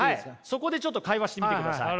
そこでちょっと会話してみてください。